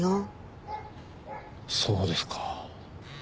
そうですか。